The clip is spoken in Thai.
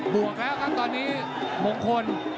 บวกแล้วก็ตอนนี้มงคล